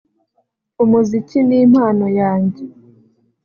Umuziki ni impano yanjye